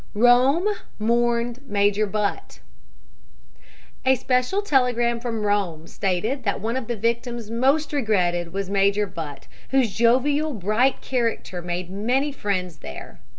ROME MOURNED MAJOR BUTT A special telegram from Rome stated that one of the victims most regretted was Major Butt, whose jovial, bright character made many friends there.